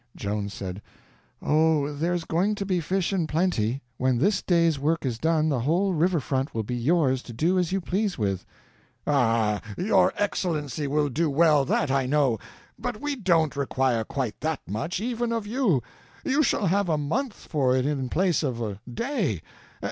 Joan said: "Oh, there's going to be fish in plenty; when this day's work is done the whole river front will be yours to do as you please with." "Ah, your Excellency will do well, that I know; but we don't require quite that much, even of you; you shall have a month for it in place of a day.